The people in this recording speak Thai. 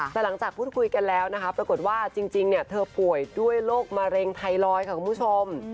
แต่หลังจากพูดคุยกันแล้วนะคะปรากฏว่าจริงเธอป่วยด้วยโรคมะเร็งไทรอยด์ค่ะคุณผู้ชม